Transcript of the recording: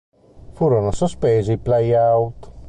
Furono sospesi i playout.